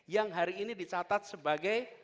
yang hari ini dicatat sebagai